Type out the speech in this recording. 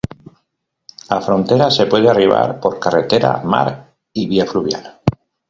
A Frontera se puede arribar por carretera, mar y vía fluvial.